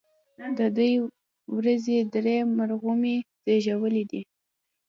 د دوي وزې درې مرغومي زيږولي دي